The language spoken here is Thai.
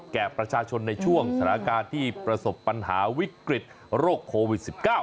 แก่ประชาชนในช่วงสถานการณ์ที่ประสบปัญหาวิกฤตโรคโควิด๑๙